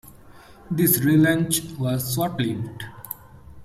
This relaunch was short-lived.